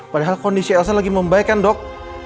padahal kondisi elsa lagi membaikkan dok